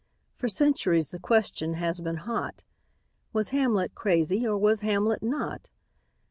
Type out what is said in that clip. For centuries the question has been hot: Was Hamlet crazy, or was Hamlet not?